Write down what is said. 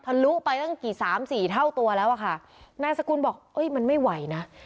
ลุไปตั้งกี่สามสี่เท่าตัวแล้วอะค่ะนายสกุลบอกเอ้ยมันไม่ไหวนะ